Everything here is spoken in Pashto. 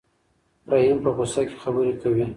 رحیم په غوسه کې خبرې کوي.